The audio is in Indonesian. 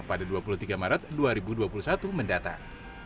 pada dua puluh tiga maret dua ribu dua puluh satu mendatang